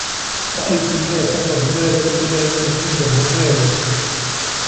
رأيت الناس قد مالوا إلى من عنده مال